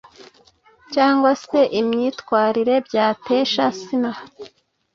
cyangwa se imyitwarire byatesha sner